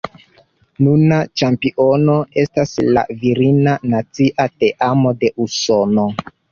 Nuna ĉampiono estas la virina nacia teamo de Usono.